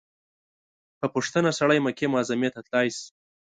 په پوښتنه سړى مکې معظمې ته تلاى سي.